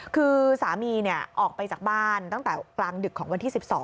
คือสามีออกไปจากบ้านตั้งแต่กลางดึกของวันที่๑๒